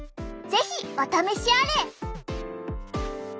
是非お試しあれ！